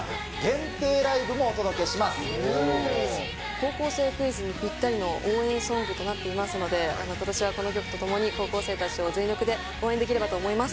『高校生クイズ』にぴったりの応援ソングとなっていますので今年はこの曲とともに高校生たちを全力で応援できればと思います。